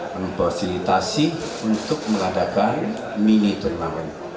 memfasilitasi untuk mengadakan mini turnamen